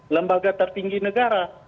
lembaga tertinggi negara